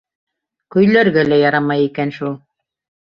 Көйләргә лә ярамай икән шул.